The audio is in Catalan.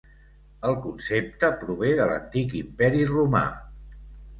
El concepte prové de l'antic imperi romà.